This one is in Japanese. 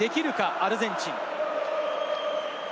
アルゼンチン。